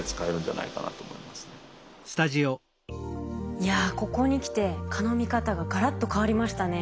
いやここに来て蚊の見方ががらっと変わりましたね。